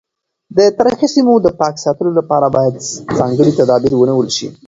د تاریخي سیمو د پاک ساتلو لپاره باید ځانګړي تدابیر ونیول شي.